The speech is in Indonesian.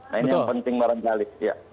nah ini yang penting barang jahat